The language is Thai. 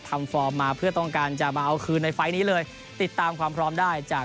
ฟอร์มมาเพื่อต้องการจะมาเอาคืนในไฟล์นี้เลยติดตามความพร้อมได้จาก